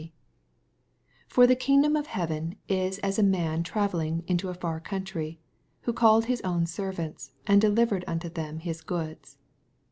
14 For ^ kingdom qf haaven is as a man travelling into a far country, vfko called his own servants, and de livered unto them his goods.